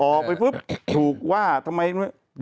ออกไปทุกว่าทำไมไม่